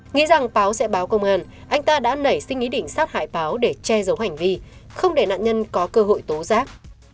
nghĩ rằng báo sẽ báo công an anh ta đã nảy sinh ý định sát hại báo để che giấu hành vi không để nạn nhân có cơ hội tố giác